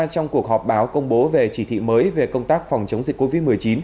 trong cuộc họp báo công bố về chỉ thị mới về công tác phòng chống dịch covid một mươi chín